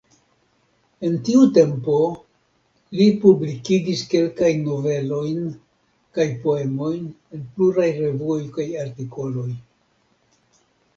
En tiu tempo, li publikigis kelkajn novelojn kaj poemojn en pluraj revuoj kaj artikoloj.